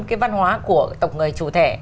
cái văn hóa của tộc người chủ thể